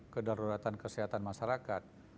kedaulatan kesehatan masyarakat